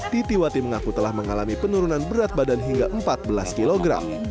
titi wati mengaku telah mengalami penurunan berat badan hingga empat belas kg